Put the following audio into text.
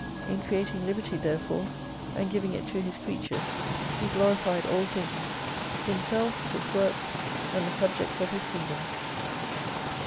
In creating liberty therefore and giving it to His creatures He glorified all things : Himself, His work, and the subjects of His Kingdom.